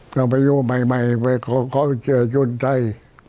เขาไปอยู่ใหม่เขาเกียจจุนไป